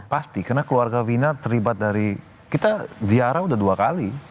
pasti karena keluarga vina terlibat dari kita ziarah udah dua kali